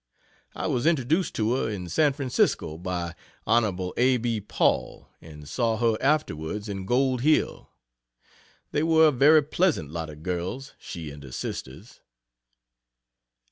I was introduced to her in San Francisco by Hon. A. B. Paul, and saw her afterwards in Gold Hill. They were a very pleasant lot of girls she and her sisters.